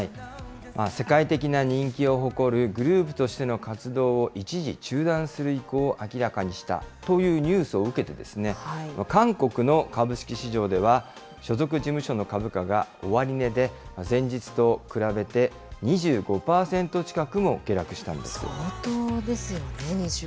世界的な人気を誇るグループとしての活動を一時、中断する意向を明らかにしたというニュースを受けて、韓国の株式市場では、所属事務所の株価が終値で前日と比べて、２５％近くも下落したん相当ですよね、２５％。